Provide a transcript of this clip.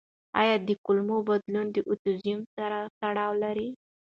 آیا د کولمو بدلون د اوټیزم سره تړاو لري؟